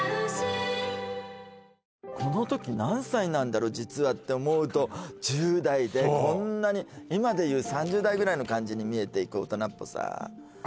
この時何歳なんだろう実はって思うと１０代でこんなにそう今でいう３０代ぐらいの感じに見えていく大人っぽさ